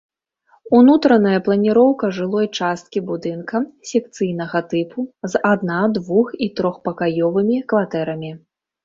Унутраная планіроўка жылой часткі будынка секцыйнага тыпу з адна-, двух- і трохпакаёвымі кватэрамі.